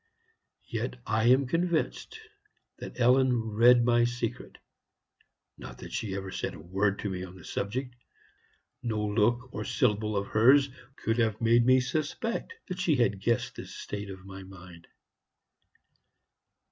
Yet I am convinced that Ellen read my secret. Not that she ever said a word to me on the subject; no look or syllable of hers could have made me suspect that she had guessed the state of my mind.